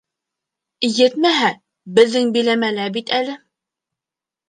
Етмәһә, беҙҙең биләмәлә бит әле.